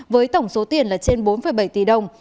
với tổng số tiền là trên bốn bảy tỷ đồng